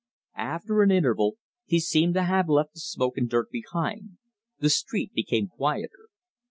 After an interval he seemed to have left the smoke and dirt behind. The street became quieter.